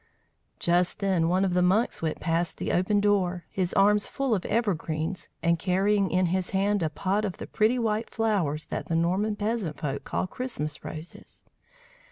Just then one of the monks went past the open door, his arms full of evergreens, and carrying in his hand a pot of the pretty white flowers that the Norman peasant folk call Christmas roses.